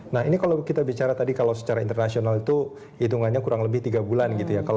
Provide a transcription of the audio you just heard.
nah ini kalau kita bicara tadi kalau secara internasional itu hitungannya kurang lebih tiga bulan gitu ya